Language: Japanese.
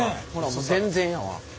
もう全然やわ。